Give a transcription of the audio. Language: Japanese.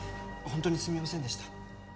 本当にすみませんでした。